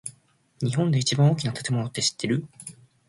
日本で一番大きな建物って知ってる？